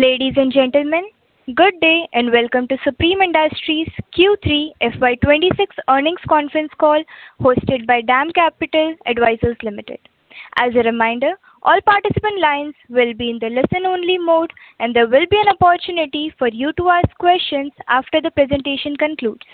Ladies and gentlemen, good day and welcome to Supreme Industries Q3 FY2026 earnings conference call hosted by DAM Capital Advisors Limited. As a reminder, all participant lines will be in the listen-only mode, and there will be an opportunity for you to ask questions after the presentation concludes.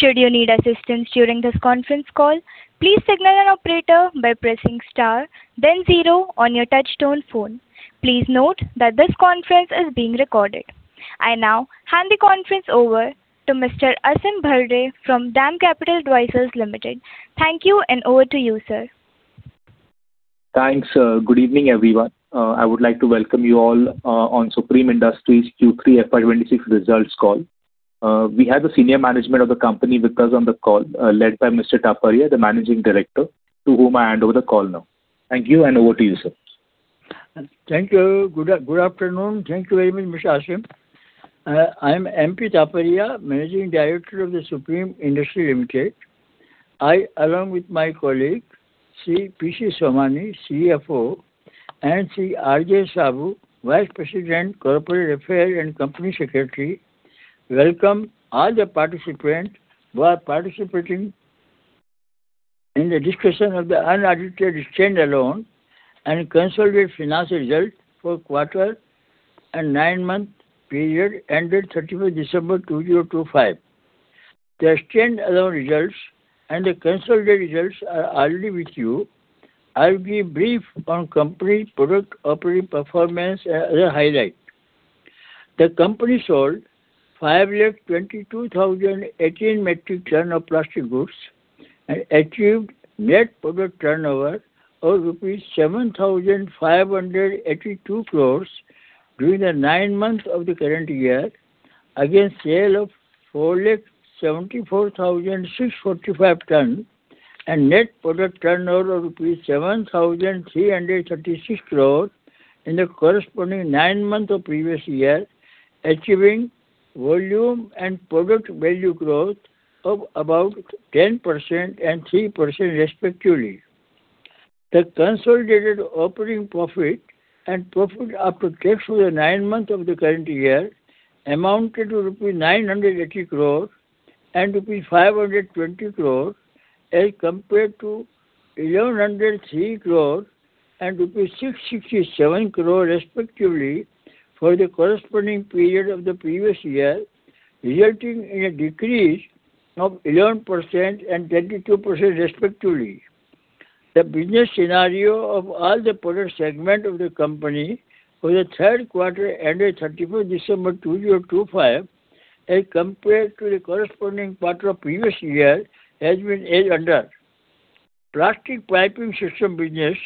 Should you need assistance during this conference call, please signal an operator by pressing star, then zero on your touchtone phone. Please note that this conference is being recorded. I now hand the conference over to Mr. Aasim Bharde from DAM Capital Advisors Limited. Thank you, and over to you, sir. Thanks. Good evening, everyone. I would like to welcome you all on Supreme Industries Q3 FY2026 results call. We have the senior management of the company with us on the call, led by Mr. Taparia, the Managing Director, to whom I hand over the call now. Thank you, and over to you, sir. Thank you. Good afternoon. Thank you very much, Mr. Aasim. I am M. P. Taparia, Managing Director of The Supreme Industries Limited. I, along with my colleague, P. C. Somani, CFO, and R. J. Saboo, Vice President, Corporate Affairs and Company Secretary, welcome all the participants who are participating in the discussion of the unadjusted standalone and consolidated financial results for the quarter and nine-month period ended 31st December 2025. The standalone results and the consolidated results are already with you. I'll be brief on company product operating performance and other highlights. The company sold 522,018 metric tons of plastic goods and achieved net product turnover of 7,582 crore rupees during the nine months of the current year, against sale of 474,645 tons, and net product turnover of rupees 7,336 crore in the corresponding nine months of the previous year, achieving volume and product value growth of about 10% and 3%, respectively. The consolidated operating profit and profit after tax for the nine months of the current year amounted to rupees 980 crores and rupees 520 crores, as compared to 1,103 crores and rupees 667 crores, respectively, for the corresponding period of the previous year, resulting in a decrease of 11% and 32%, respectively. The business scenario of all the product segments of the company for the third quarter ended 31st December 2025, as compared to the corresponding quarter of the previous year, has been as under. The plastic piping system business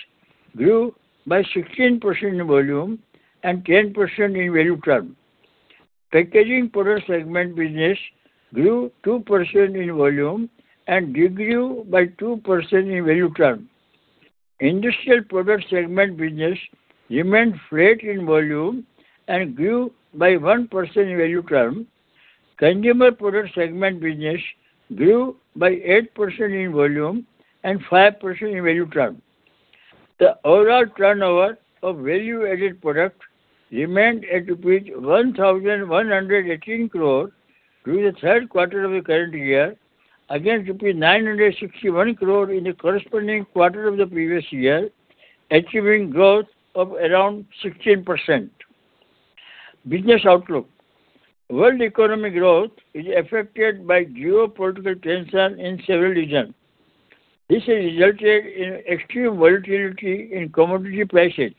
grew by 16% in volume and 10% in value term. The packaging product segment business grew 2% in volume and did grow by 2% in value term. Industrial product segment business remained flat in volume and grew by 1% in value term. Consumer product segment business grew by 8% in volume and 5% in value term. The overall turnover of value-added product remained at rupees 1,118 crores through the third quarter of the current year, against rupees 961 crores in the corresponding quarter of the previous year, achieving growth of around 16%. Business outlook: World economic growth is affected by geopolitical tensions in several regions. This has resulted in extreme volatility in commodity prices.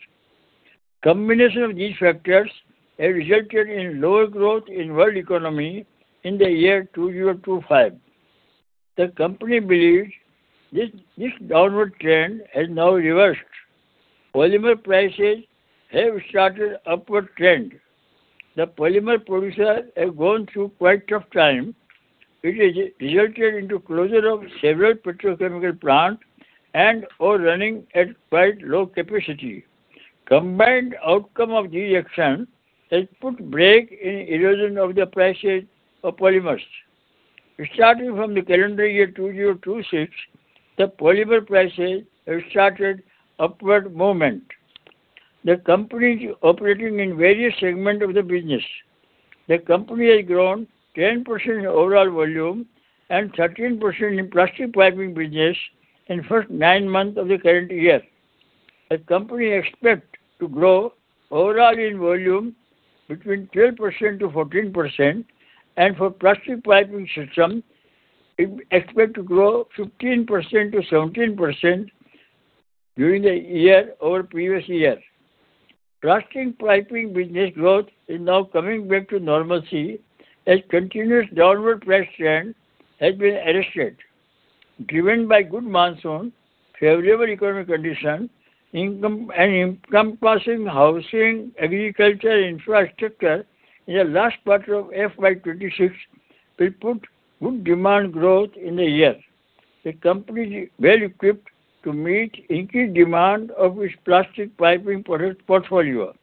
The combination of these factors has resulted in lower growth in the world economy in the year 2025. The company believes this downward trend has now reversed. Polymer prices have started upward trend. The polymer producers have gone through quite tough times. It has resulted in the closure of several petrochemical plants and/or running at quite low capacity. Combined outcome of these actions has put a brake in the erosion of the prices of polymers. Starting from the calendar year 2026, the polymer prices have started upward movement. The company is operating in various segments of the business. The company has grown 10% in overall volume and 13% in plastic piping business in the first nine months of the current year. The company expects to grow overall in volume between 12%-14%, and for plastic piping systems, it expects to grow 15%-17% during the year over the previous year. Plastic piping business growth is now coming back to normalcy as continuous downward price trend has been arrested. Driven by good monsoon, favorable economic conditions, and increasing housing, agriculture, and infrastructure in the last quarter of fiscal year 2026 will put good demand growth in the year. The company is well equipped to meet the increased demand of its plastic piping product portfolio.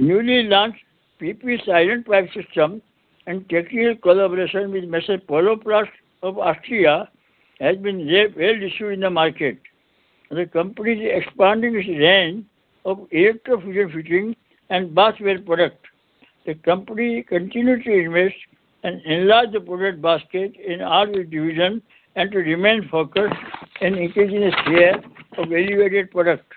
Newly launched PP Silent Pipe System and technical collaboration with Poloplast of Austria has been well received in the market. The company is expanding its range of electrofusion fittings and bathware products. The company continues to invest and enlarge the product basket in all its divisions and to remain focused on increasing its share of elevated products.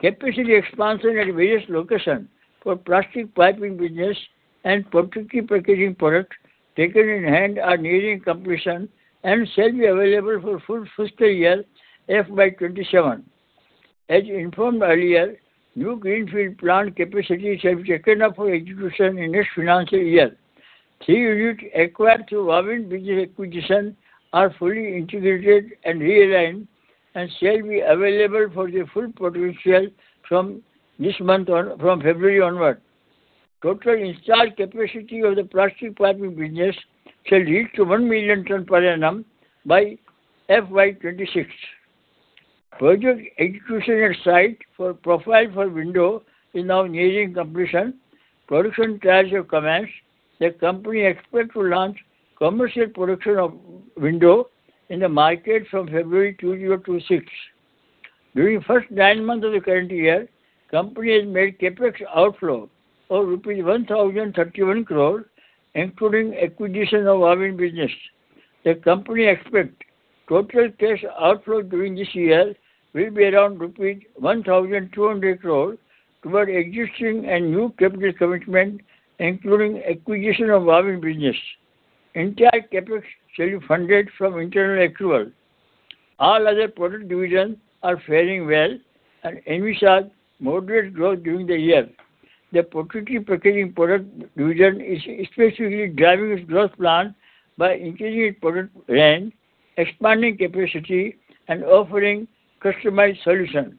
Capacity expansion at various locations for plastic piping business and protective packaging products taken in hand are nearing completion and shall be available for full fiscal year 2027. As informed earlier, new greenfield plant capacities have taken up for execution in this financial year. Three units acquired through Wavin Business Acquisition are fully integrated and realigned and shall be available for their full potential from this month onward, from February onward. Total installed capacity of the plastic piping business shall reach 1 million tons per annum by 2026. Project execution at site for profile for window is now nearing completion. Production trials have commenced. The company expects to launch commercial production of windows in the market from February 2026. During the first nine months of the current year, the company has made CapEx outflow of rupees 1,031 crores, including acquisition of Wavin business. The company expects total cash outflow during this year will be around rupees 1,200 crores toward existing and new capital commitments, including acquisition of Wavin business. Entire CapEx shall be funded from internal accrual. All other product divisions are faring well and envisage moderate growth during the year. The protective packaging product division is specifically driving its growth plan by increasing its product range, expanding capacity, and offering customized solutions.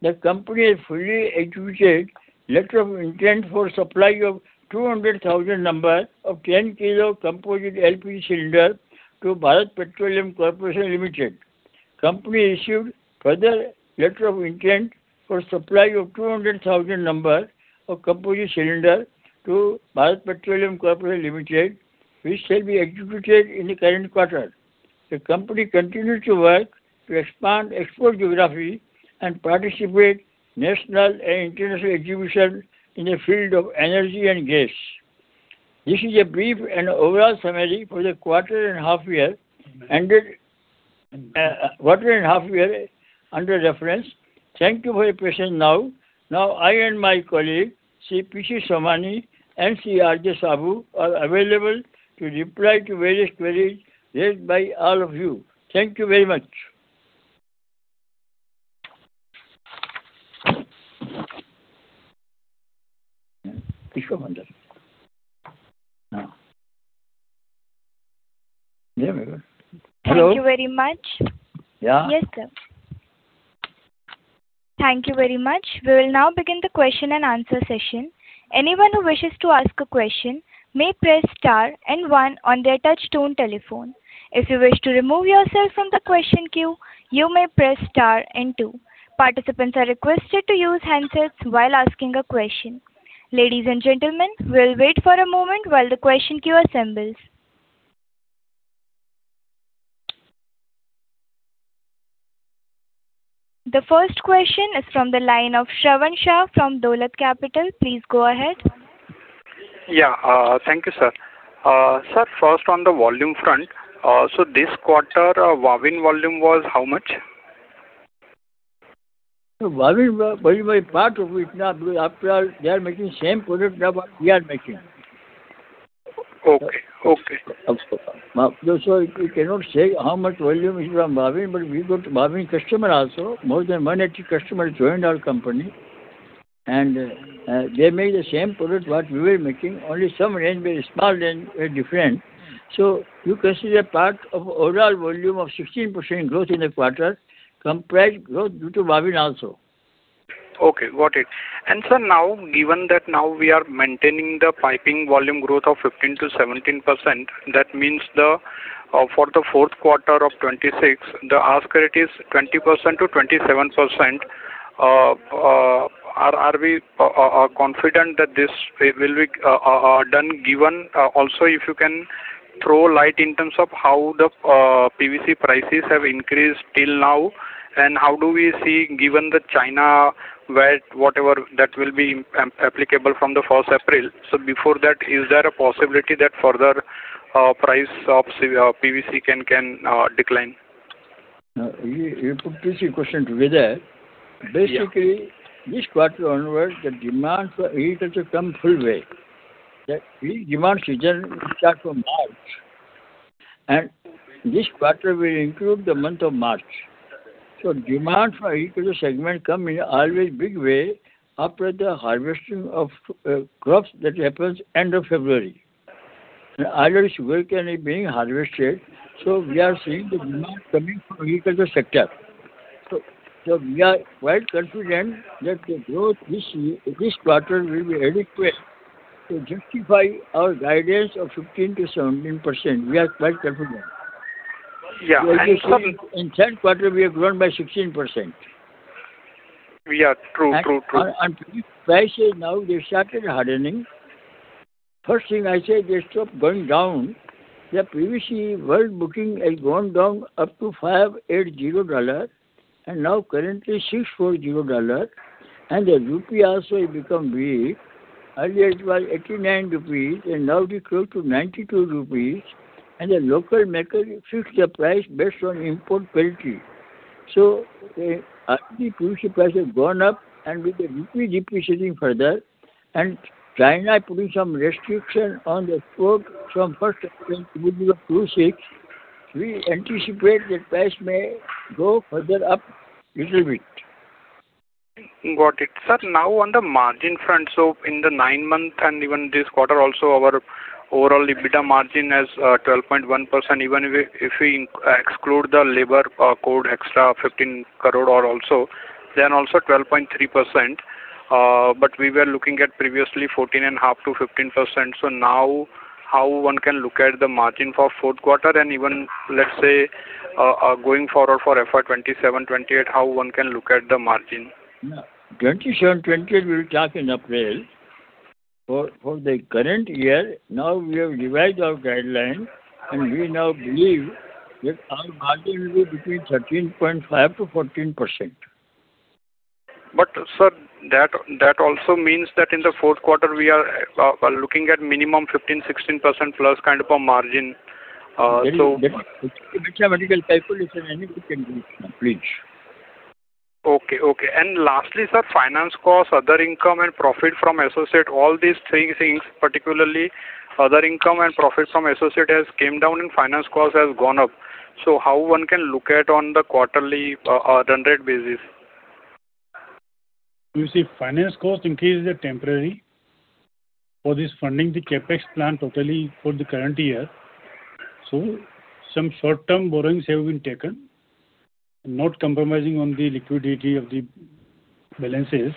The company has fully executed a letter of intent for supply of 200,000 numbers of 10 kg composite LPG cylinders to Bharat Petroleum Corporation Limited. The company received further a letter of intent for supply of 200,000 numbers of composite cylinders to Bharat Petroleum Corporation Limited, which shall be executed in the current quarter. The company continues to work to expand export geography and participate in national and international exhibitions in the field of energy and gas. This is a brief and overall summary for the quarter and a half year ended quarter and a half year under reference. Thank you for your patience now. Now, I and my colleagues, P. C. Somani and R. J. Saboo, are available to reply to various queries raised by all of you. Thank you very much. Hello? Thank you very much. Yeah? Yes, sir. Thank you very much. We will now begin the question and answer session. Anyone who wishes to ask a question may press star and one on their touchtone telephone. If you wish to remove yourself from the question queue, you may press star and two. Participants are requested to use handsets while asking a question. Ladies and gentlemen, we'll wait for a moment while the question queue assembles. The first question is from the line of Shravan Shah from Dolat Capital. Please go ahead. Yeah. Thank you, sir. Sir, first, on the volume front, this quarter, Wavin volume was how much? Wavin volume is part of it. They are making the same product that we are making. Okay. Okay. We cannot say how much volume is from Wavin, but we got Wavin customers also. More than 180 customers joined our company, and they made the same product that we were making. Only some range, very small range, very different. You can see the part of overall volume of 16% growth in the quarter compared to Wavin also. Okay. Got it. Sir, now, given that now we are maintaining the piping volume growth of 15%-17%, that means for the fourth quarter of 2026, the ask rate is 20%-27%. Are we confident that this will be done? If you can also throw light in terms of how the PVC prices have increased till now, and how do we see, given the China whatever that will be applicable from the 1st April? Before that, is there a possibility that further price of PVC can decline? You put this in question together. Basically, this quarter onward, the demand for agriculture comes full way. The peak demand season starts from March, and this quarter will include the month of March. Demand for agriculture segment comes in always big way after the harvesting of crops that happens end of February. Otherwise, work can be being harvested. We are seeing the demand coming from agriculture sector. We are quite confident that the growth this quarter will be adequate to justify our guidance of 15%-17%. We are quite confident. Yeah. In the third quarter, we have grown by 16%. True. True. True. Prices now, they started hardening. First thing I say, they stopped going down. The PVC world booking has gone down up to $580 and now currently $640. The INR also has become weak. Earlier, it was 89 rupees, and now we close to 92 rupees. The local maker fixed the price based on import quality. The PVC price has gone up, and with the INR depreciating further, and China putting some restriction on the stock from 1st April 2026, we anticipate that price may go further up a little bit. Got it. Sir, now on the margin front, in the nine months and even this quarter also, our overall EBITDA margin is 12.1%. Even if we exclude the Labour Code extra of 15 crore also, then also 12.3%. We were looking at previously 14.5%-15%. How can one look at the margin for the fourth quarter and even, let's say, going forward for FY 2027, 2028, how can one look at the margin? Yeah. 2027, 2028 we will talk in April. For the current year, now we have revised our guideline, and we now believe that our margin will be between 13.5%-14%. Sir, that also means that in the fourth quarter, we are looking at minimum 15%-16%+ kind of a margin. So. Let me check my calculation anyway. Please. Okay. Okay. Lastly, sir, finance costs, other income, and profit from associate, all these three things, particularly other income and profit from associate, has come down, and finance cost has gone up. How can one look at it on the quarterly run rate basis? You see, finance cost increase is temporary for this funding, the CapEx plan totally for the current year. Some short-term borrowings have been taken, not compromising on the liquidity of the balances.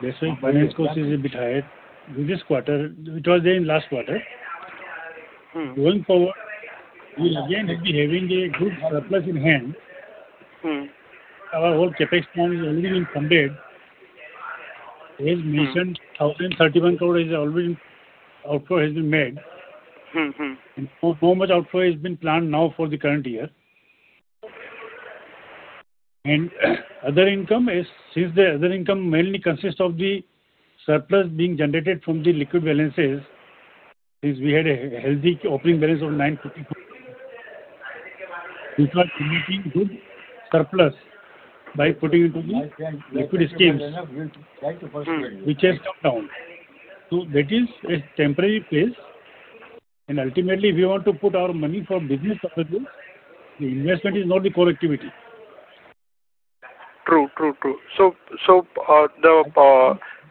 That is why finance cost is a bit higher this quarter. It was there in last quarter. Going forward, we again will be having a good surplus in hand. Our whole CapEx plan is already being compared. As mentioned, 1,031 crore is already outflow has been made. How much outflow has been planned now for the current year? Other income is since the other income mainly consists of the surplus being generated from the liquid balances, since we had a healthy opening balance of 940 crore, we start emitting good surplus by putting into the liquid schemes, which has come down. That is a temporary place. Ultimately, we want to put our money for business purposes. The investment is not the core activity. True. True. True.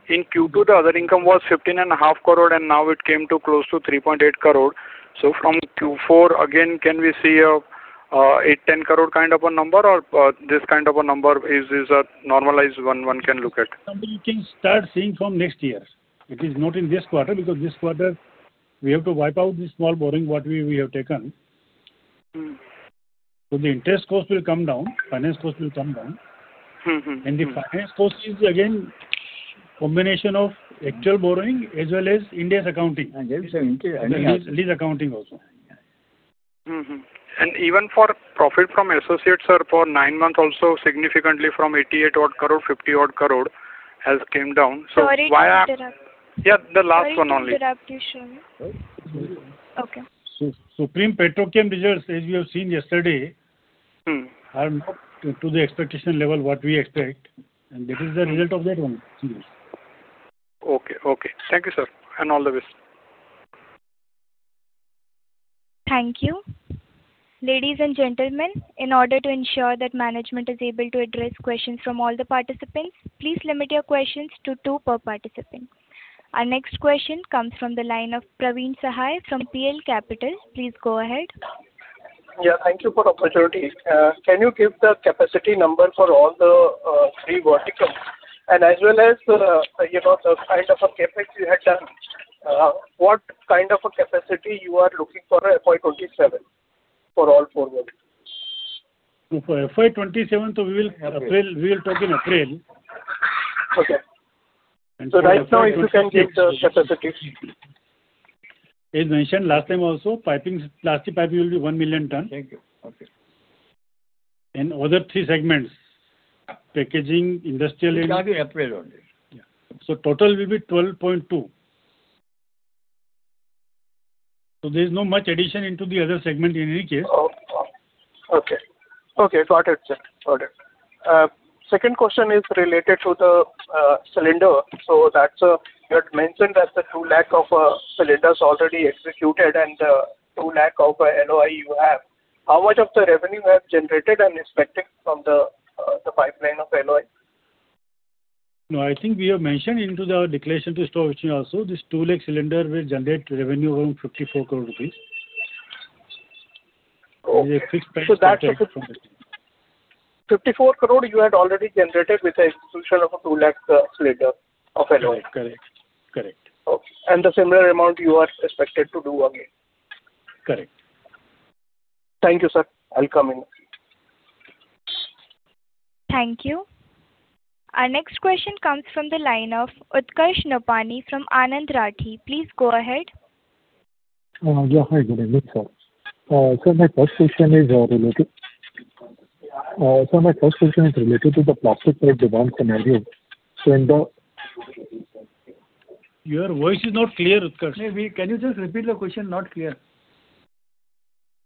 In Q2, the other income was 15.5 crore, and now it came to close to 3.8 crore. From Q4, again, can we see a 8-10 crore kind of a number, or is this kind of a number a normalized one one can look at? Something you can start seeing from next year. It is not in this quarter because this quarter, we have to wipe out this small borrowing what we have taken. The interest cost will come down. Finance cost will come down. The finance cost is again combination of actual borrowing as well as Ind AS accounting. Ind AS accounting also. Even for profit from associates, sir, for nine months also, significantly from 880 million, 500 million has came down. Why are? Sorry to interrupt. Yeah. The last one only. Interrupt you, Shravan. Okay. Supreme Petrochem results, as we have seen yesterday, are not to the expectation level what we expect. That is the result of that one. Okay. Okay. Thank you, sir. All the best. Thank you. Ladies and gentlemen, in order to ensure that management is able to address questions from all the participants, please limit your questions to two per participant. Our next question comes from the line of Praveen Sahay from PL Capital. Please go ahead. Yeah. Thank you for the opportunity. Can you give the capacity number for all the three verticals? As well as the kind of a CapEx you had done, what kind of a capacity you are looking for FY 2027 for all four verticals? For FY 2027, we will talk in April. Okay. So right now, if you can give the capacity. As mentioned last time also, piping, plastic piping will be 1 million ton. Thank you. Okay. Other three segments, packaging, industrial. It will be in April only. Total will be 12.2. There is no much addition into the other segment in any case. Okay. Okay. Got it. Got it. Second question is related to the cylinder. You had mentioned that the 200,000 of cylinders already executed and 200,000 of LOI you have. How much of the revenue you have generated and expected from the pipeline of LOI? No. I think we have mentioned in the declaration to store which also this 200,000 cylinder will generate revenue around 54 crore rupees. Okay. So that's 54 crore you had already generated with the execution of a 200,000 cylinder of LOI. Correct. Correct. Correct. Okay. The similar amount you are expected to do again? Correct. Thank you, sir. I'll come in. Thank you. Our next question comes from the line of Utkarsh Nopany from Anand Rathi. Please go ahead. Yeah. Hi. Good evening, sir. My first question is related to the plastic product demand scenario. In the. Your voice is not clear, Utkarsh. Maybe. Can you just repeat the question? Not clear.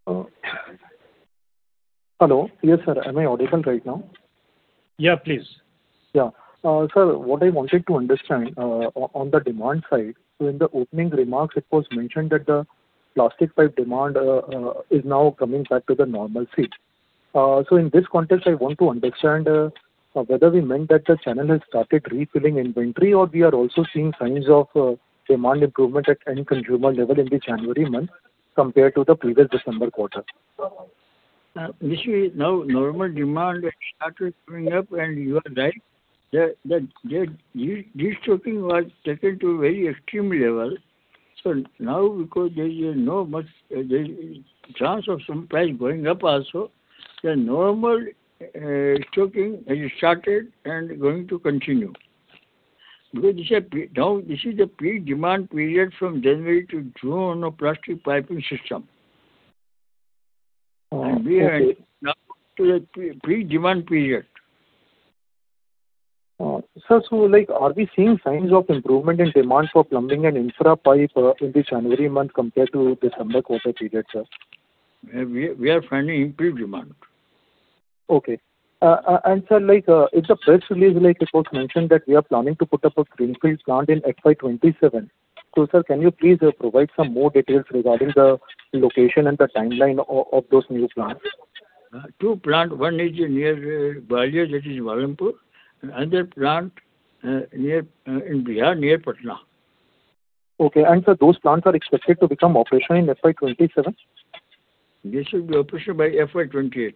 Hello. Yes, sir. Am I audible right now? Yeah. Please. Yeah. Sir, what I wanted to understand on the demand side, in the opening remarks, it was mentioned that the plastic pipe demand is now coming back to the normalcy. In this context, I want to understand whether we meant that the channel has started refilling inventory or we are also seeing signs of demand improvement at end-consumer level in the January month compared to the previous December quarter. Now, normal demand has started going up, and you are right. That de-stocking was taken to a very extreme level. Now, because there is not much chance of some price going up also, the normal stocking has started and is going to continue. This is the peak demand period from January to June on the plastic piping system. We are now to the peak demand period. Sir, are we seeing signs of improvement in demand for plumbing and infra pipe in the January month compared to December quarter period, sir? We are finding improved demand. Okay. Sir, in the press release, it was mentioned that we are planning to put up a greenfield plant in FY 2027. Sir, can you please provide some more details regarding the location and the timeline of those new plants? Two plants. One is near Gwalior, that is Malanpur. Another plant in Bihar, near Patna. Okay. Sir, those plants are expected to become operational in FY 2027? They should be operational by FY 2028.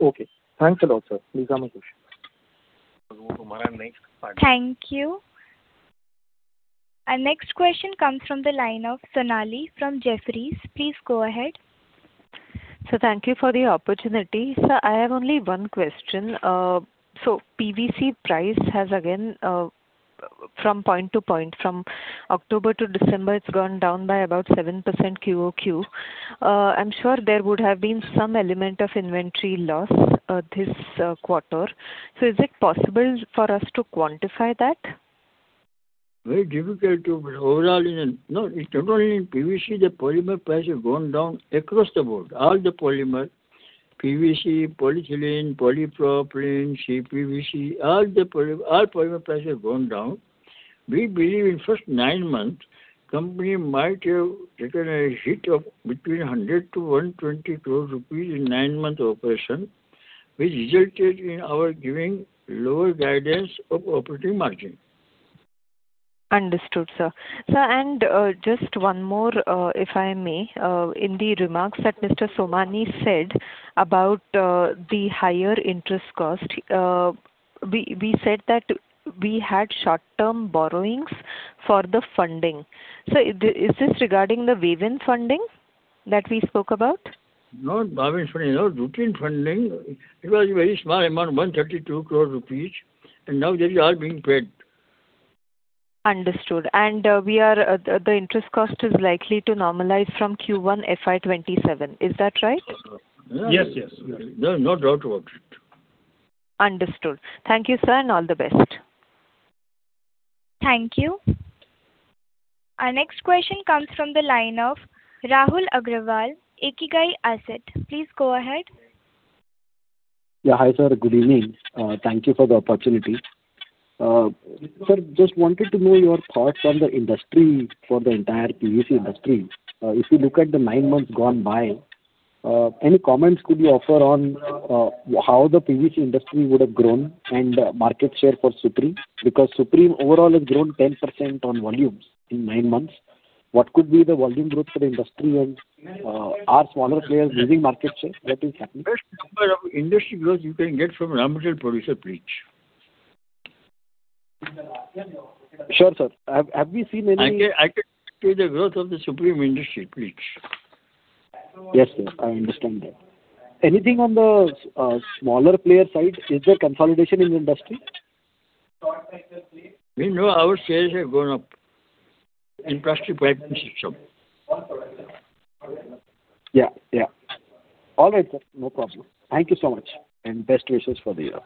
Okay. Thanks a lot, sir. These are my questions. Thank you. Our next question comes from the line of Sonali Salgaonkar from Jefferies. Please go ahead. Thank you for the opportunity. Sir, I have only one question. PVC price has again, from point to point, from October to December, it's gone down by about 7% QoQ. I'm sure there would have been some element of inventory loss this quarter. Is it possible for us to quantify that? Very difficult to overall. Not only in PVC, the polymer price has gone down across the board. All the polymer: PVC, polyethylene, polypropylene, CPVC, all polymer prices have gone down. We believe in first nine months, company might have taken a hit of between 100 crore-120 crore rupees in nine-month operation, which resulted in our giving lower guidance of operating margin. Understood, sir. Sir, and just one more, if I may, in the remarks that Mr. Somani said about the higher interest cost, we said that we had short-term borrowings for the funding. Is this regarding the Wavin funding that we spoke about? Not waiving funding. No, routine funding. It was a very small amount, 132 crore rupees, and now they are being paid. Understood. The interest cost is likely to normalize from Q1 FY 2027. Is that right? Yes. Yes. There is no doubt about it. Understood. Thank you, sir, and all the best. Thank you. Our next question comes from the line of Rahul Agarwal, Ikigai Asset. Please go ahead. Yeah. Hi, sir. Good evening. Thank you for the opportunity. Sir, just wanted to know your thoughts on the industry for the entire PVC industry. If you look at the nine months gone by, any comments could you offer on how the PVC industry would have grown and market share for Supreme? Because Supreme overall has grown 10% on volumes in nine months. What could be the volume growth for the industry and are smaller players losing market share? What is happening? Industry growth you can get from raw material producer, please. Sure, sir. Have we seen any? I can see the growth of the Supreme Industries, please. Yes, sir. I understand that. Anything on the smaller player side? Is there consolidation in the industry? We know our shares have gone up in plastic piping system. Yeah. Yeah. All right, sir. No problem. Thank you so much. Best wishes for the year.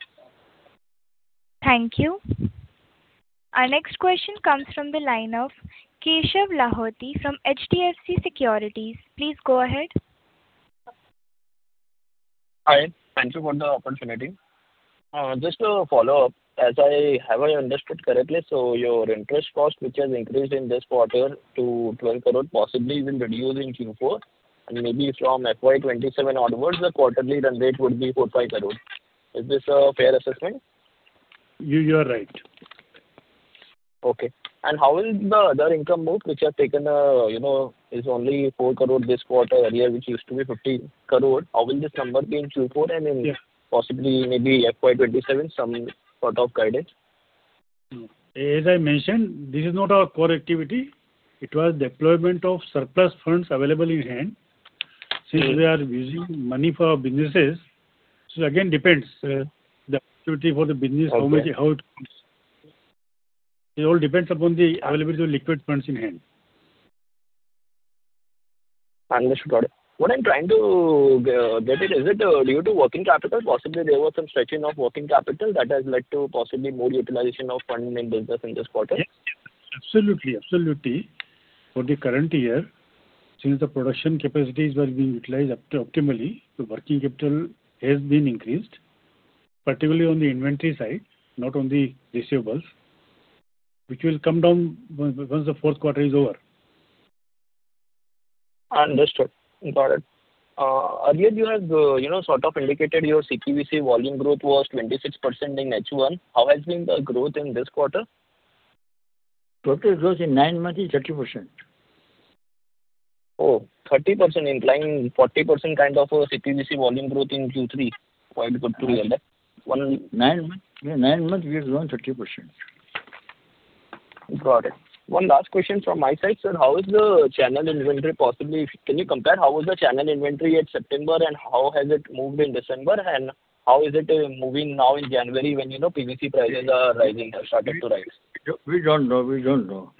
Thank you. Our next question comes from the line of Keshav Lahoti from HDFC Securities. Please go ahead. Hi. Thank you for the opportunity. Just a follow-up. As I have understood correctly, your interest cost, which has increased in this quarter to 120 million, possibly even reduced in Q4, and maybe from FY 2027 onwards, the quarterly run rate would be 450 million. Is this a fair assessment? You are right. Okay. How will the other income move, which has taken a, you know, is only 4 crore this quarter earlier, which used to be 15 crore? How will this number be in Q4 and in possibly maybe FY 2027, some sort of guidance? As I mentioned, this is not our core activity. It was deployment of surplus funds available in hand since we are using money for our businesses. It all depends. The activity for the business, how it comes, it all depends upon the availability of liquid funds in hand. Understood. What I'm trying to get at, is it due to working capital? Possibly there was some stretching of working capital that has led to possibly more utilization of funds in business in this quarter? Absolutely. Absolutely. For the current year, since the production capacities were being utilized optimally, the working capital has been increased, particularly on the inventory side, not on the receivables, which will come down once the fourth quarter is over. Understood. Got it. Earlier, you had sort of indicated your CPVC volume growth was 26% in H1. How has been the growth in this quarter? Total growth in nine months is 30%. Oh, 30% incline, 40% kind of CPVC volume growth in Q3. Quite good to hear that. Nine months, we have grown 30%. Got it. One last question from my side, sir. How is the channel inventory possibly? Can you compare how was the channel inventory in September and how has it moved in December? How is it moving now in January when PVC prices are rising, have started to rise? We do not know. We do not know.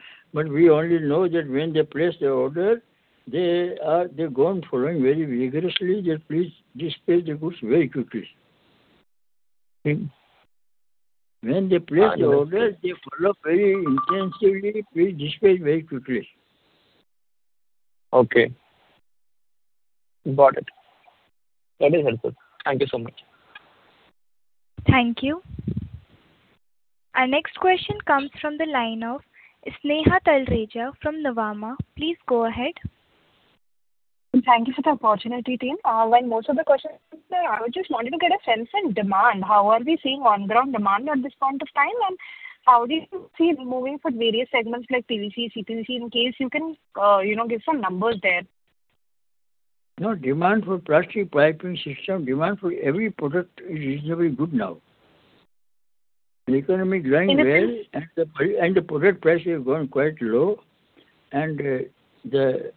We only know that when they place the order, they are going following very vigorously that, "Please disperse the goods very quickly." When they place the order, they follow very intensively, "Please disperse very quickly. Okay. Got it. That is helpful. Thank you so much. Thank you. Our next question comes from the line of Sneha Talreja from Nuvama. Please go ahead. Thank you for the opportunity, team. When most of the questions are answered, I would just want you to get a sense in demand. How are we seeing on-ground demand at this point of time? How do you see it moving for various segments like PVC, CPVC, in case you can give some numbers there? No. Demand for plastic piping system, demand for every product is reasonably good now. The economy is doing well, and the product prices have gone quite low. The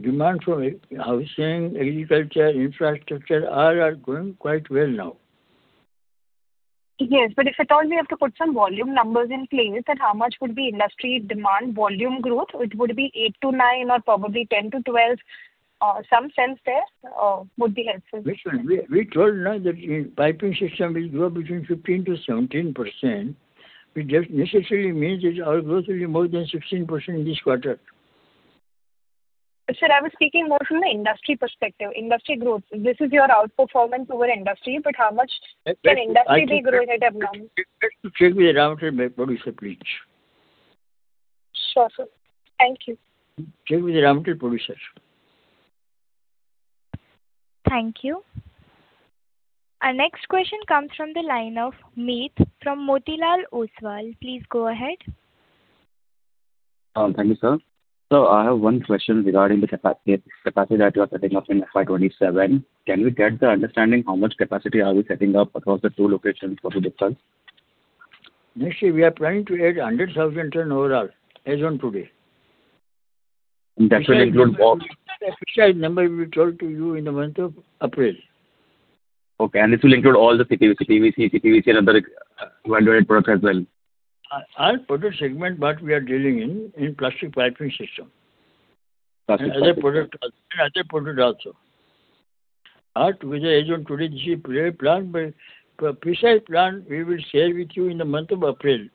demand for housing, agriculture, infrastructure all are going quite well now. Yes. If at all we have to put some volume numbers in place, how much would be industry demand volume growth? It would be 8-9 or probably 10-12. Some sense there would be helpful. Listen, we told now that piping system will grow between 15-17%. It doesn't necessarily mean that our growth will be more than 16% this quarter. Sir, I was speaking more from the industry perspective. Industry growth, this is your outperformance over industry, but how much can industry be growing at a number? Check with the raw material producer, please. Sure, sir. Thank you. Check with the raw material producer. Thank you. Our next question comes from the line of Meet from Motilal Oswal. Please go ahead. Thank you, sir. Sir, I have one question regarding the capacity that you are setting up in FY 2027. Can we get the understanding how much capacity are we setting up across the two locations for the difference? Actually, we are planning to add 100,000 ton overall as of today. That will include all? That's the number we told to you in the month of April. Okay. This will include all the CPVC, CPVC, CPVC, and other value-added products as well? All product segment that we are dealing in, in plastic piping system. Plastic piping. Other product, other product also. With the as of today, this is a prior plan, but precise plan we will share with you in the month of April.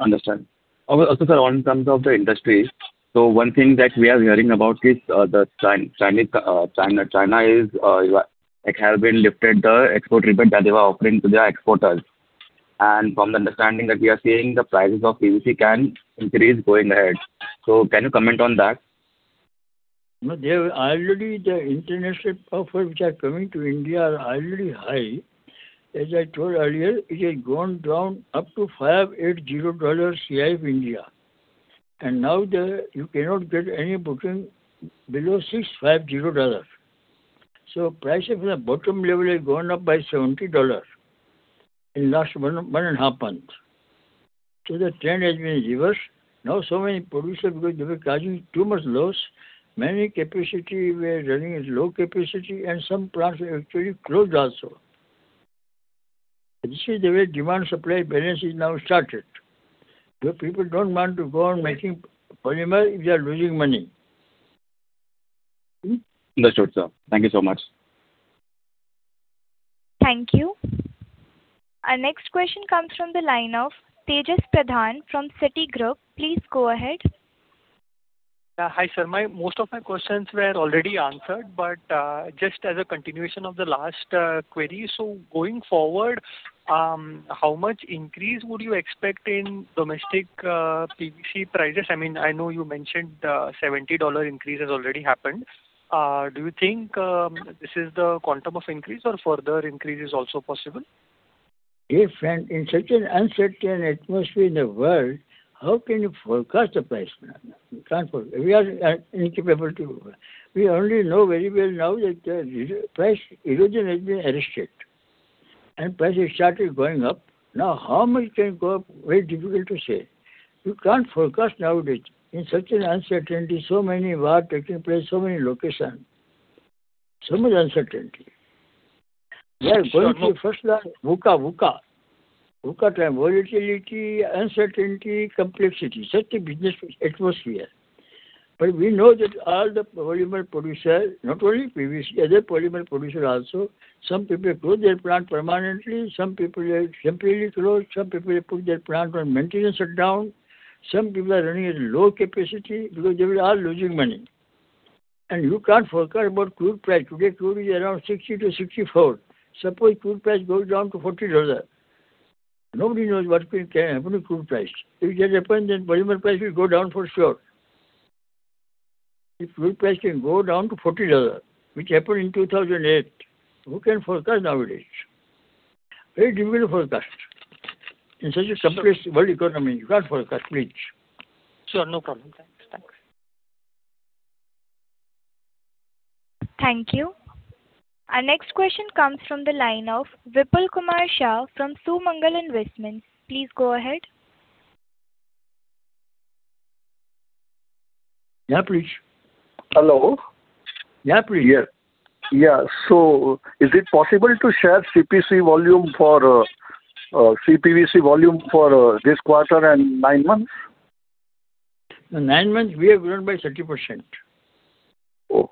Understood. Also, sir, in terms of the industry, one thing that we are hearing about is that China has lifted the export rebate that they were offering to their exporters. From the understanding that we are seeing, the prices of PVC can increase going ahead. Can you comment on that? No. Already, the international offers which are coming to India are already high. As I told earlier, it has gone down up to $580 CIF India. Now you cannot get any booking below $650. Prices from the bottom level have gone up by $70 in the last one and a half months. The trend has been reversed. Now, so many producers, because they were charging too much loss, many capacity were running at low capacity, and some plants were actually closed also. This is the way demand-supply balance is now started. People do not want to go on making polymer if they are losing money. Understood, sir. Thank you so much. Thank you. Our next question comes from the line of Tejas Pradhan from Citigroup. Please go ahead. Hi, sir. Most of my questions were already answered, but just as a continuation of the last query, going forward, how much increase would you expect in domestic PVC prices? I mean, I know you mentioned the $70 increase has already happened. Do you think this is the quantum of increase or further increase is also possible? If in such an uncertain atmosphere in the world, how can you forecast the price? We are incapable to. We only know very well now that the price erosion has been arrested. And price has started going up. Now, how much can go up? Very difficult to say. You can't forecast nowadays. In such an uncertainty, so many war taking place, so many locations, so much uncertainty. We are going to first look at volatility, uncertainty, complexity. Such a business atmosphere. But we know that all the polymer producers, not only PVC, other polymer producers also, some people close their plant permanently, some people simply close, some people put their plant on maintenance shutdown, some people are running at low capacity because they were all losing money. And you can't forecast about crude price. Today, crude is around $60-$64. Suppose crude price goes down to $40. Nobody knows what can happen to crude price. If that happens, then polymer price will go down for sure. If crude price can go down to $40, which happened in 2008, who can forecast nowadays? Very difficult to forecast. In such a complex world economy, you can't forecast, please. Sure. No problem. Thanks. Thanks. Thank you. Our next question comes from the line of Vipul Kumar Shah from Sumangal Investment. Please go ahead. Yeah, please. Hello. Yeah, please. Yeah. Is it possible to share CPVC volume for this quarter and nine months? Nine months, we have grown by 30%. Oh.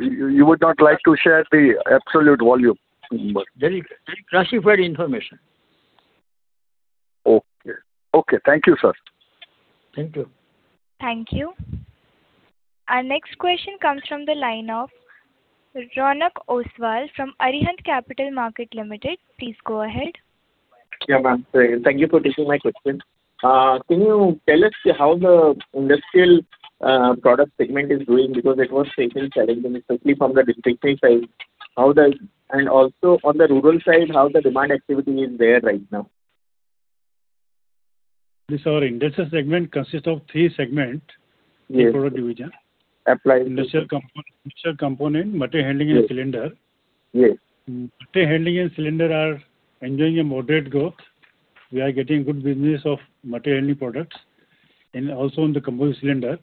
You would not like to share the absolute volume number? Very classified information. Okay. Okay. Thank you, sir. Thank you. Thank you. Our next question comes from the line of Ronak Osthwal from Arihant Capital Markets Limited. Please go ahead. Yeah, ma'am. Thank you for taking my question. Can you tell us how the Industrial Products segment is doing? Because it was facing challenging, especially from the district side. Also, on the rural side, how the demand activity is there right now? This is our industrial segment, consists of three segments. Yes. Product division. Applied. Industrial component, material handling and cylinder. Yes. Material handling and cylinder are enjoying a moderate growth. We are getting good business of material handling products and also on the composite cylinder.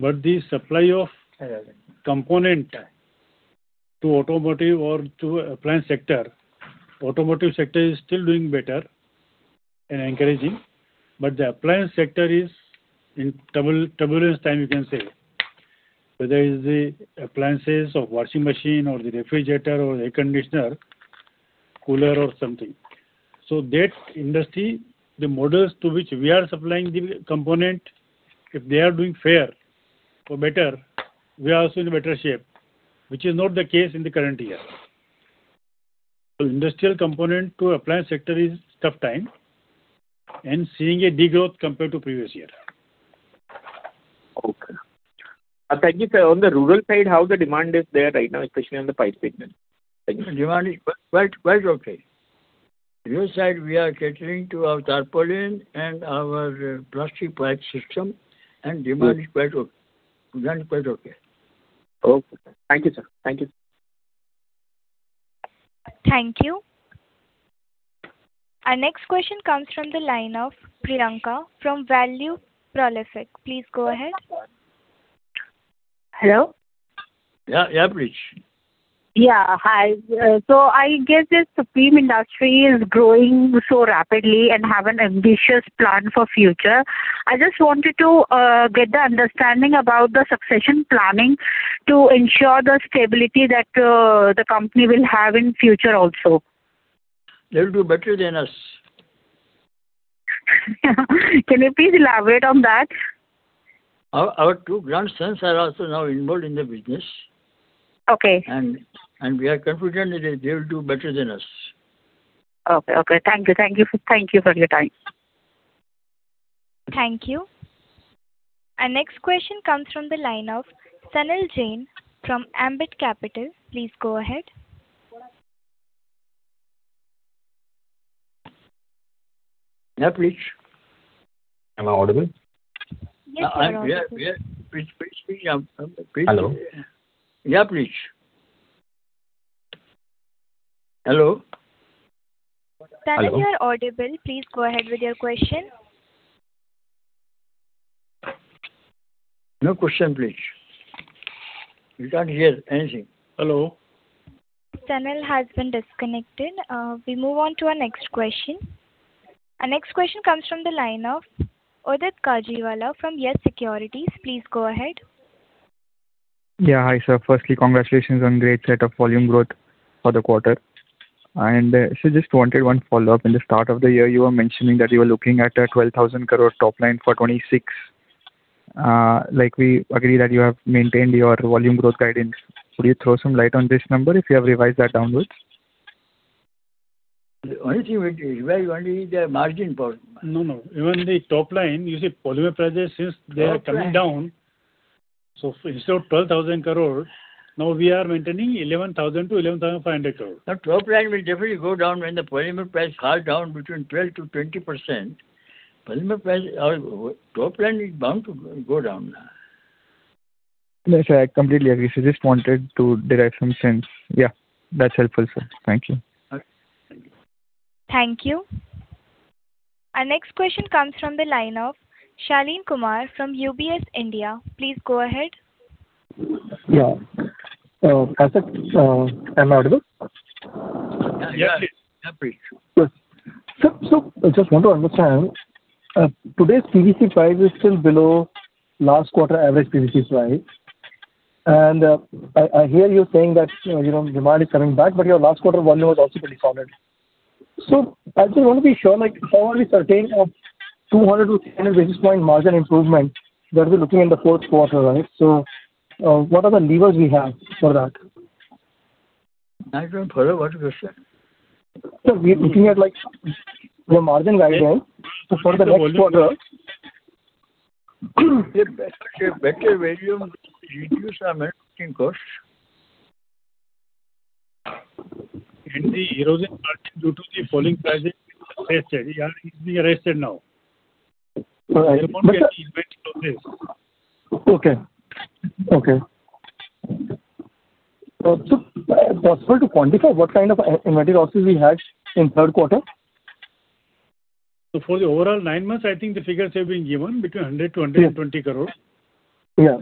The supply of component to automotive or to appliance sector, automotive sector is still doing better and encouraging. The appliance sector is in turbulence time, you can say. Whether it is the appliances of washing machine or the refrigerator or air conditioner, cooler or something. That industry, the models to which we are supplying the component, if they are doing fair or better, we are also in better shape, which is not the case in the current year. Industrial component to appliance sector is tough time and seeing a degrowth compared to previous year. Okay. Thank you, sir. On the rural side, how the demand is there right now, especially on the pipe segment? Demand is quite okay. Rural side, we are selling to our tarpaulin and our plastic piping system, and demand is quite okay. Okay. Thank you, sir. Thank you. Thank you. Our next question comes from the line of Priyanka from Value Prolific Consulting. Please go ahead. Hello? Yeah. Yeah, please. Yeah. Hi. I guess this Supreme Industries is growing so rapidly and have an ambitious plan for future. I just wanted to get the understanding about the succession planning to ensure the stability that the company will have in future also. They will do better than us. Can you please elaborate on that? Our two grandsons are also now involved in the business. Okay. We are confident that they will do better than us. Okay. Okay. Thank you. Thank you for your time. Thank you. Our next question comes from the line of Sahil Jain from Ambit Capital. Please go ahead. Yeah, please. Am I audible? Yes, sir. Yeah. Please, please. Hello. Yeah, please. Hello. Sahil, you are audible. Please go ahead with your question. No question, please. We can't hear anything. Hello. Sahil has been disconnected. We move on to our next question. Our next question comes from the line of Udit Gajiwala from Yes Securities. Please go ahead. Yeah. Hi, sir. Firstly, congratulations on a great set of volume growth for the quarter. I just wanted one follow-up. In the start of the year, you were mentioning that you were looking at a 12,000 crore top line for 2026. We agree that you have maintained your volume growth guidance. Could you throw some light on this number if you have revised that downwards? The only thing we revised is only the margin part. No, no. Even the top line, you see, polymer prices, since they are coming down, so instead of 12,000 crore, now we are maintaining 11,000-11,500 crore. Now, top line will definitely go down when the polymer price falls down between 12%-20%. Polymer price or top line is bound to go down now. No, sir. I completely agree. Just wanted to direct some sense. Yeah. That's helpful, sir. Thank you. Okay. Thank you. Thank you. Our next question comes from the line of Shaleen Kumar from UBS India. Please go ahead. Yeah. As I said, am I audible? Yeah, please. Good. I just want to understand. Today's PVC price is still below last quarter average PVC price. I hear you saying that demand is coming back, but your last quarter volume was also pretty solid. I just want to be sure, how are we certain of 200-300 basis point margin improvement that we're looking in the fourth quarter, right? What are the levers we have for that? Not from further. What is your question? Sir, we are looking at your margin guidelines for the next quarter. What? What? If better share, better volume, reduce our manufacturing costs. The erosion due to the falling price is arrested. It is being arrested now. All right. We won't get the inventory losses. Okay. Okay. Is it possible to quantify what kind of inventory losses we had in third quarter? For the overall nine months, I think the figures have been given between 100 crore-120 crore. Yeah.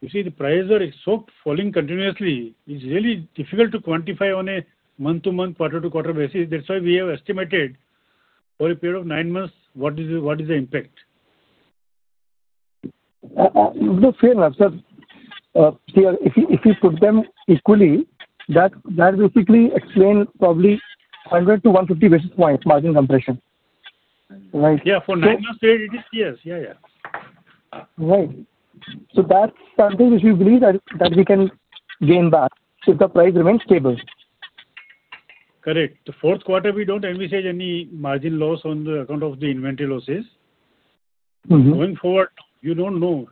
You see, the prices are so falling continuously. It's really difficult to quantify on a month-to-month, quarter-to-quarter basis. That's why we have estimated for a period of nine months what is the impact. Look, fair enough, sir. If you put them equally, that basically explains probably 100-150 basis point margin compression. Right? Yeah, for nine months straight, it is years. Yeah, yeah. Right. That's something which we believe that we can gain back if the price remains stable. Correct. The fourth quarter, we do not envisage any margin loss on the account of the inventory losses. Going forward, you do not know.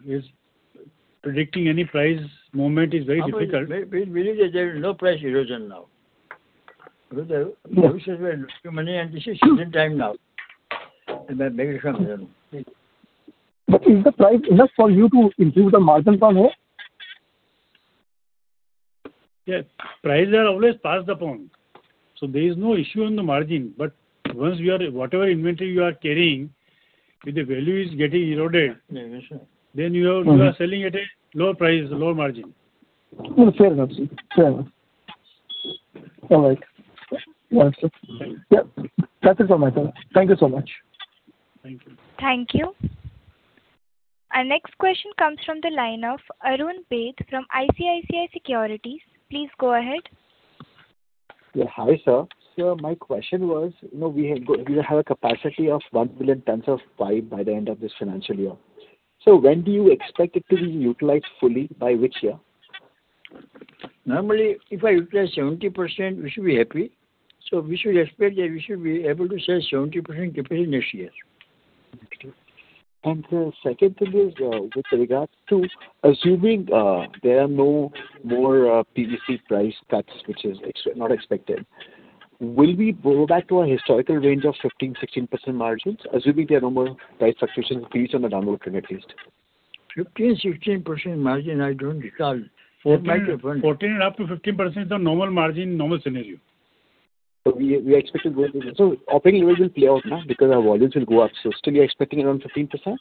Predicting any price movement is very difficult. Please believe that there is no price erosion now. The users were investing money, and this is changing time now. Is the price enough for you to improve the margin from here? Yes. Prices are always passed upon. There is no issue on the margin. Once you are whatever inventory you are carrying, if the value is getting eroded, then you are selling at a lower price, lower margin. Fair enough. Fair enough. All right. Yeah. That's it for my side. Thank you so much. Thank you. Thank you. Our next question comes from the line of Arun Baid from ICICI Securities. Please go ahead. Yeah. Hi, sir. My question was, we have a capacity of 1 million tons of pipe by the end of this financial year. When do you expect it to be utilized fully, by which year? Normally, if I utilize 70%, we should be happy. We should expect that we should be able to sell 70% capacity next year. Thank you. The second thing is, with regards to assuming there are no more PVC price cuts, which is not expected, will we go back to our historical range of 15%-16% margins, assuming there are no more price fluctuations at least on the downward trend at least? 15%-16% margin, I don't recall. 14% and up to 15% is the normal margin, normal scenario. We expect to go to. Operating leverage will play out now because our volumes will go up. Still, you're expecting around 15%?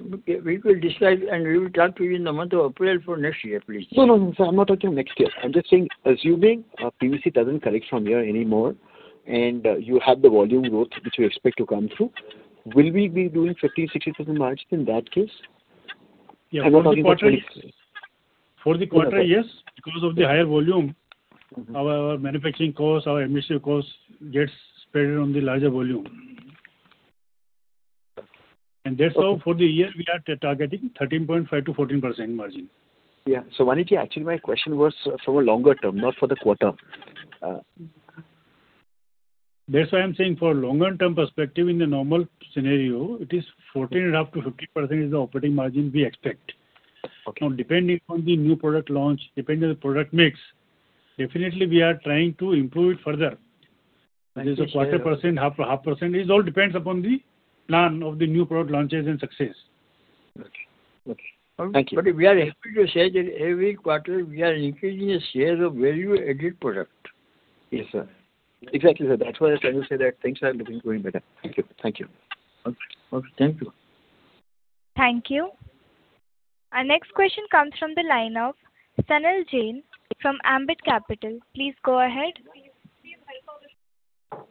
We will decide, and we will talk to you in the month of April for next year, please. No, no, no, sir. I'm not talking next year. I'm just saying, assuming PVC doesn't correct from here anymore and you have the volume growth which you expect to come through, will we be doing 15-16% margin in that case? Yeah. For the quarter, yes. Because of the higher volume, our manufacturing cost, our emissive cost gets spread on the larger volume. That's how for the year, we are targeting 13.5-14% margin. Yeah. Actually, my question was for a longer term, not for the quarter. That's why I'm saying for a longer-term perspective, in the normal scenario, it is 14%-15% is the operating margin we expect. Now, depending on the new product launch, depending on the product mix, definitely, we are trying to improve it further. Whether it's a quarter percent, half percent, it all depends upon the plan of the new product launches and success. Okay. Okay. Thank you. We are happy to say that every quarter, we are increasing the share of value-added product. Yes, sir. Exactly, sir. That's why I can say that things are looking going better. Thank you. Thank you. Okay. Okay. Thank you. Thank you. Our next question comes from the line of Sahil Jain from Ambit Capital. Please go ahead.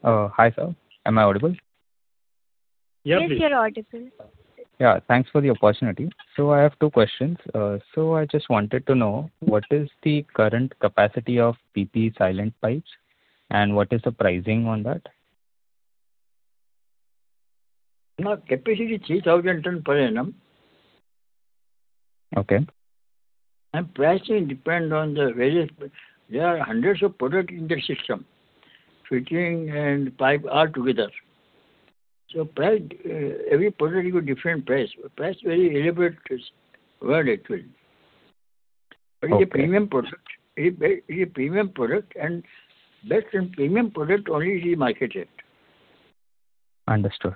Hi, sir. Am I audible? Yeah, please. Yes, you're audible. Yeah. Thanks for the opportunity. I have two questions. I just wanted to know, what is the current capacity of PP Silent Pipe System, and what is the pricing on that? Capacity is 3,000 tons per annum. Okay. Pricing depends on the various, there are hundreds of products in the system, fitting and pipe altogether. Every product will be a different price. Price varies a little bit where it will. It is a premium product. It is a premium product, and best in premium product only is marketed. Understood.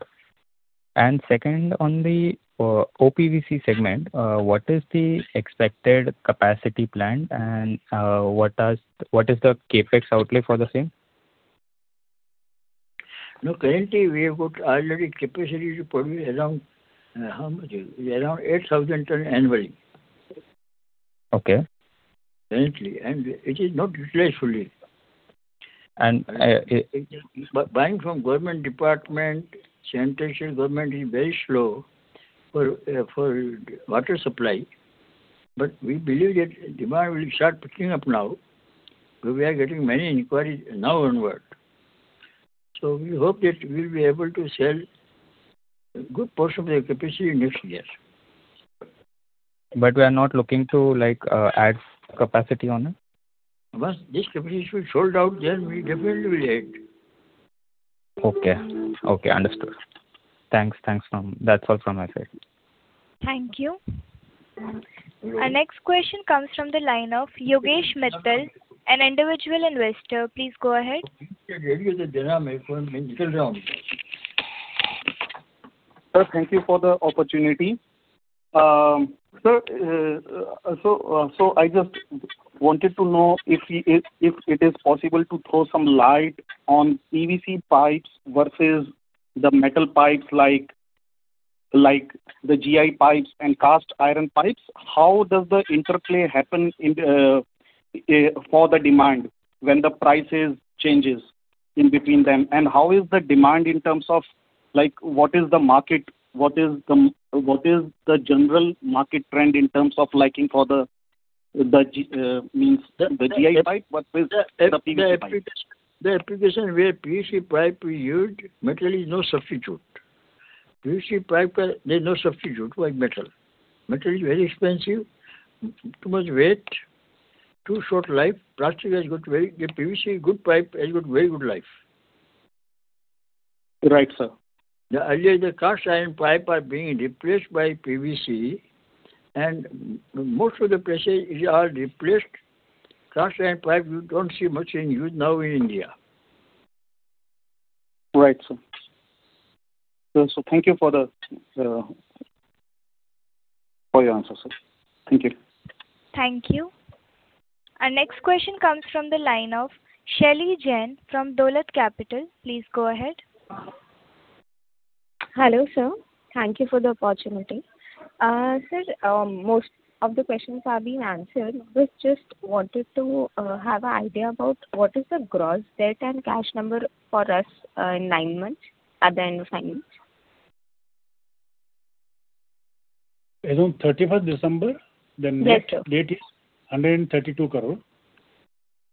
Second, on the O-PVC segment, what is the expected capacity planned, and what is the CapEx outlay for the same? No, currently, we have got already capacity to produce around 8,000 tons annually. Okay. Currently, it is not utilized fully. And. Buying from government department, central government is very slow for water supply. We believe that demand will start picking up now because we are getting many inquiries now onward. We hope that we'll be able to sell a good portion of the capacity next year. We are not looking to add capacity on it? Once this capacity is sold out, then we definitely will add. Okay. Okay. Understood. Thanks. Thanks. That's all from my side. Thank you. Our next question comes from the line of Yogesh Mittal, an individual investor. Please go ahead. Sir, thank you for the opportunity. Sir, I just wanted to know if it is possible to throw some light on PVC pipes versus the metal pipes like the GI pipes and cast iron pipes. How does the interplay happen for the demand when the prices change in between them? How is the demand in terms of what is the market? What is the general market trend in terms of liking for the means the GI pipe versus the PVC pipe? The application where PVC pipe we use, metal is no substitute. PVC pipe, there is no substitute for metal. Metal is very expensive, too much weight, too short life. Plastic has got very, PVC, good pipe has got very good life. Right, sir. Earlier, the cast iron pipe are being replaced by PVC, and most of the places are replaced. Cast iron pipe, you don't see much in use now in India. Right, sir. Thank you for your answer, sir. Thank you. Thank you. Our next question comes from the line of Shaily Jain from Dolat Capital. Please go ahead. Hello, sir. Thank you for the opportunity. Sir, most of the questions have been answered. We just wanted to have an idea about what is the gross debt and cash number for us in nine months at the end of nine months? As of 31st December, the net debt is INR 132 crore.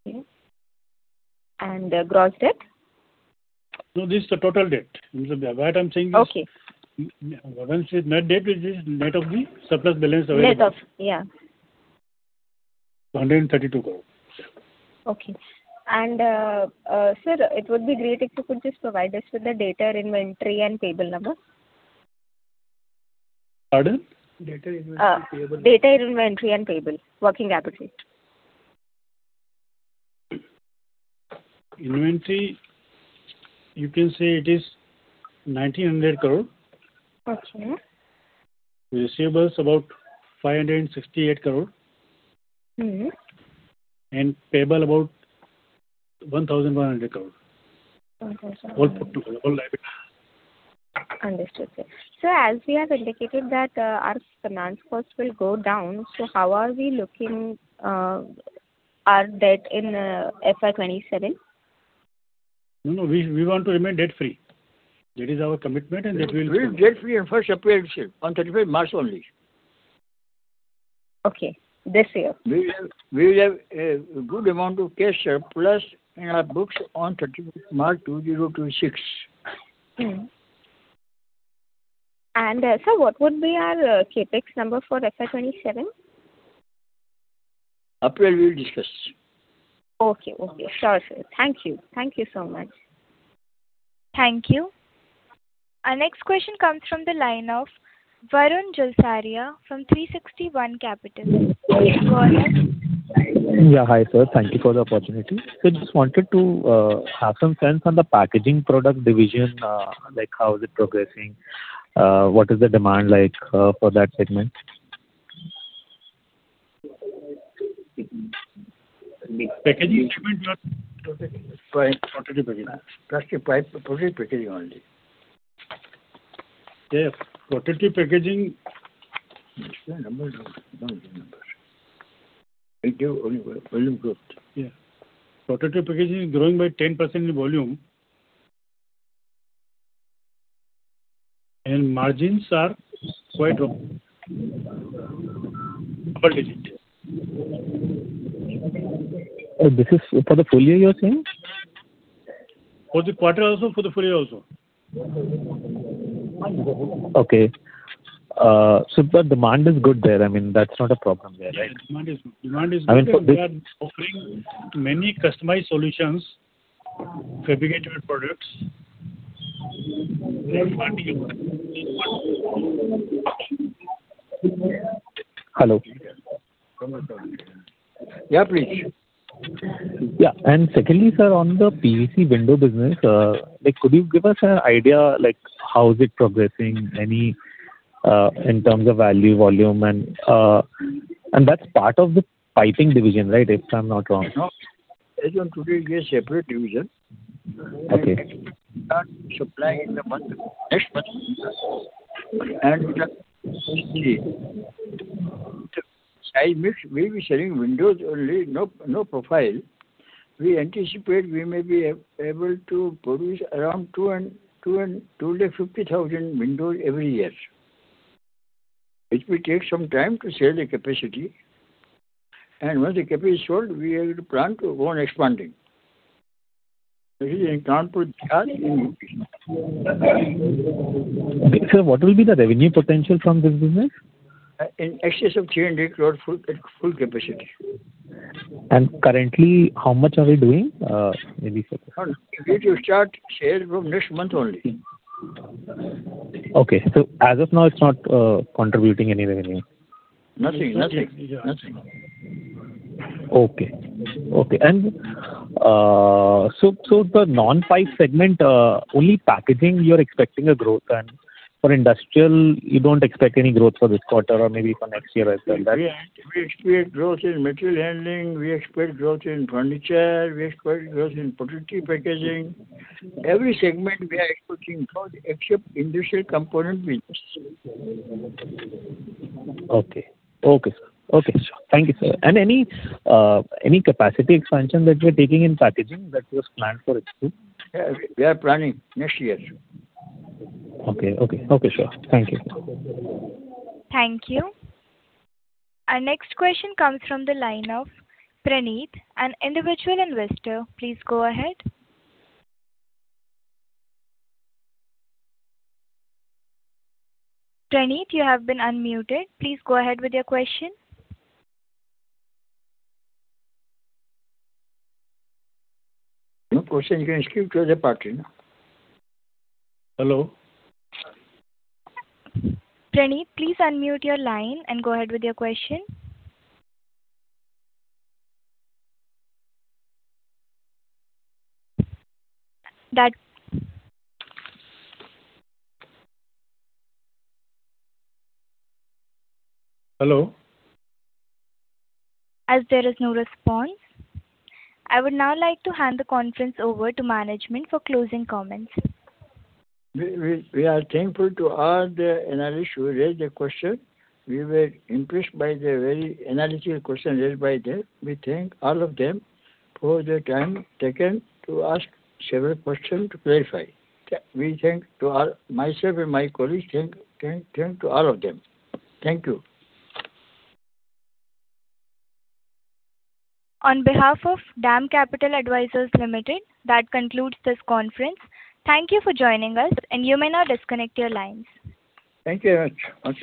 Okay. The gross debt? No, this is the total debt. What I'm saying is. Okay. Once the net debt is this, net of the surplus balance available. Net of, yeah. 132 crore. Okay. Sir, it would be great if you could just provide us with the data inventory and payable number. Pardon? Data inventory and payable. Data, inventory and payable, working capital. Inventory, you can say it is 1,900 crore. Okay. Receivables about 568 crore. Mm-hmm. Payable about 1,100 crore. 1,100 crore. All put together, all liability. Understood. Sir, as we have indicated that our finance cost will go down, how are we looking at debt in FY 2027? No, no. We want to remain debt-free. That is our commitment, and that will. We will be debt-free on 1 April this year, on 31 March only. Okay. This year. We will have a good amount of cash plus in our books on 31 March 2026. Sir, what would be our CAPEX number for FY 2027? April, we will discuss. Okay. Okay. Sure, sir. Thank you. Thank you so much. Thank you. Our next question comes from the line of Varun Jararia from 360 ONE Asset. Go ahead. Yeah. Hi, sir. Thank you for the opportunity. Sir, just wanted to have some sense on the packaging product division, how is it progressing? What is the demand like for that segment? Packaging segment, you are protective packaging. Protective packaging only. Yeah. Protective packaging, do not remember. Volume growth. Yeah. Protective packaging is growing by 10% in volume, and margins are quite double digit. This is for the full year, you are saying? For the quarter also, for the full year also. Okay. The demand is good there. I mean, that's not a problem there, right? Demand is good. I mean, we are offering many customized solutions, fabricated products. Hello? Yeah, please. Yeah. Secondly, sir, on the PVC window business, could you give us an idea how is it progressing, in terms of value, volume? That is part of the piping division, right, if I'm not wrong? As of today, we are separate division. Okay. We start supplying in the month of next month. I missed we'll be selling windows only, no profile. We anticipate we may be able to produce around 250,000 windows every year. It will take some time to sell the capacity. Once the capacity is sold, we are going to plan to go on expanding. This is in counted in INR. Sir, what will be the revenue potential from this business? In excess of 300 crore at full capacity. Currently, how much are we doing in these circumstances? We will start sales from next month only. Okay. As of now, it's not contributing any revenue? Nothing. Nothing. Nothing. Okay. Okay. The non-pipe segment, only packaging, you're expecting a growth. For industrial, you don't expect any growth for this quarter or maybe for next year as well? We expect growth in material handling. We expect growth in furniture. We expect growth in protective packaging. Every segment, we are expecting growth except industrial component business. Okay. Okay, sir. Thank you, sir. Any capacity expansion that you're taking in packaging that was planned for it too? We are planning next year. Okay. Okay. Okay, sir. Thank you. Thank you. Our next question comes from the line of Praneeth, an individual investor. Please go ahead. Praneeth, you have been unmuted. Please go ahead with your question. No question. You can skip to the participant. Hello? Praneeth, please unmute your line and go ahead with your question. Hello? As there is no response, I would now like to hand the conference over to management for closing comments. We are thankful to all the analysts who raised the question. We were impressed by the very analytical question raised by them. We thank all of them for the time taken to ask several questions to clarify. Myself and my colleagues thank all of them. Thank you. On behalf of DAM Capital Advisors Limited, that concludes this conference. Thank you for joining us, and you may now disconnect your lines. Thank you very much.